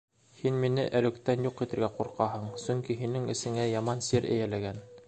Һин мине әлүктән юҡ итергә ҡурҡаһың, сөнки һинең әсеңә яман сир эйәләгән.